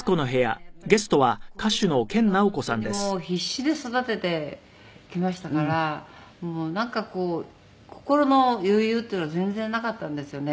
やっぱり子供っていうのは本当にもう必死で育ててきましたからなんかこう心の余裕っていうのは全然なかったんですよね。